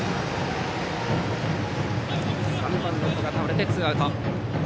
３番の古賀が倒れてツーアウト。